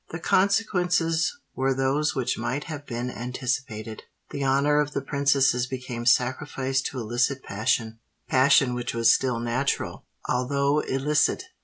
The consequences were those which might have been anticipated: the honour of the princesses became sacrificed to illicit passion—passion which was still natural, although illicit!